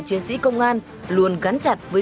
chiến sĩ công an luôn gắn chặt với